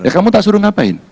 kamu tak suruh ngapain